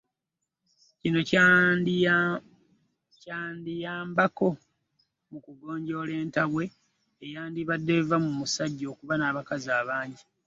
Kino kyayambako mu kugonjoola entabwe eyandibadde eva ku musajja okuba n’abakazi abangi.